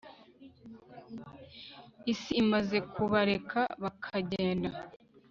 isi imaze kubareka bakagenda